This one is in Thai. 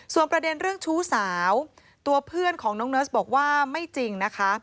ส่วนประเด็นเรื่องชู้สาวตัวเพื่อนของน้องเนิร์สบอกว่าไม่จริงนะคะ